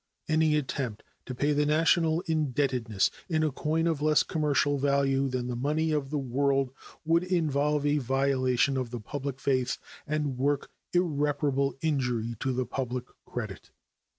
Any attempt to pay the national indebtedness in a coinage of less commercial value than the money of the world would involve a violation of the public faith and work irreparable injury to the public credit.